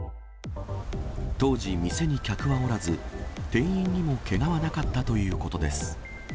当時、店に客はおらず、店員にもけがはなかったということです。